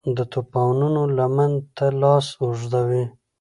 د توپانونو لمن ته لاس اوږدوي